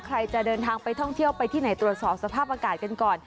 ใครจะเดินทางไปท่องเที่ยวไปที่ไหนตรวจสอบสภาพอากาศกันก่อน